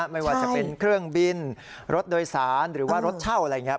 ไม่ว่าจะเป็นเครื่องบินรถโดยสารหรือว่ารถเช่าอะไรอย่างนี้